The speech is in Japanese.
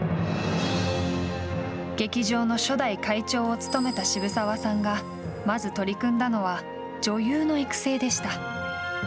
劇場の初代会長を務めた渋沢さんがまず取り組んだのは女優の育成でした。